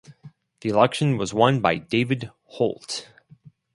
The election was won by David Holt.